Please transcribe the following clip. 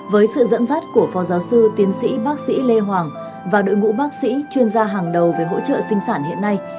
với sự dẫn dắt của phó giáo sư tiến sĩ bác sĩ lê hoàng và đội ngũ bác sĩ chuyên gia hàng đầu về hỗ trợ sinh sản hiện nay